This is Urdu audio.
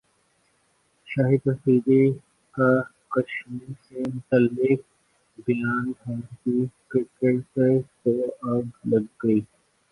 شاہد افریدی کا کشمیر سے متعلق بیانبھارتی کرکٹرز کو اگ لگ گئی